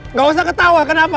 nggak usah ketawa kenapa